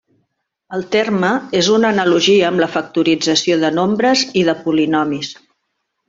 El terme és una analogia amb la factorització de nombres i de polinomis.